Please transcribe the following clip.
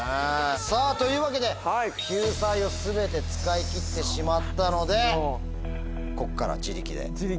さぁというわけで救済を全て使い切ってしまったのでこっからは自力で。